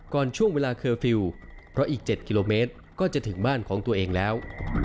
ช่วงเวลาเคอร์ฟิลล์เพราะอีก๗กิโลเมตรก็จะถึงบ้านของตัวเองแล้ว